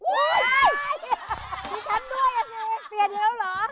อุ๊ยมีฉันด้วยเปลี่ยนอยู่แล้วหรอ